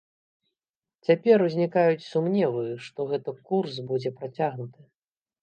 Цяпер узнікаюць сумневы, што гэты курс будзе працягнуты.